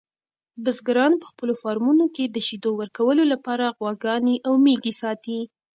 بزګران په خپلو فارمونو کې د شیدو ورکولو لپاره غواګانې او میږې ساتي.